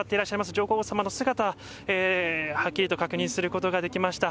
上皇さまのお姿、はっきりと確認することができました。